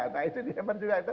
nah itu d dimer juga